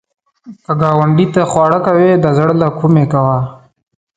که ګاونډي ته خواړه کوې، د زړه له کومي کوه